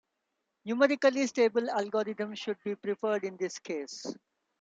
Numerically stable algorithms should be preferred in this case.